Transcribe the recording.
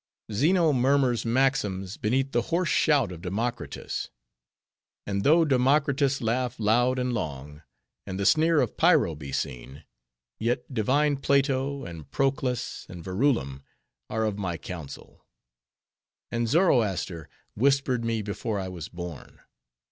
Zeno murmurs maxims beneath the hoarse shout of Democritus; and though Democritus laugh loud and long, and the sneer of Pyrrho be seen; yet, divine Plato, and Proclus, and, Verulam are of my counsel; and Zoroaster whispered me before I was born.